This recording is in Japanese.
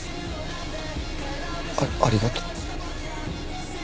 ありがとう。